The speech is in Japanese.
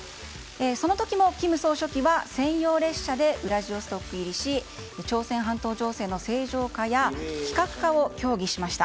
その時も金総書記は専用列車でウラジオストク入りし朝鮮半島情勢の正常化や非核化を協議しました。